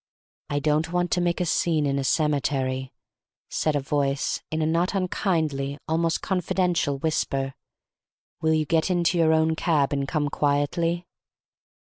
"I don't want to make a scene in a cemetery," said a voice, in a not unkindly, almost confidential whisper. "Will you get into your own cab and come quietly?"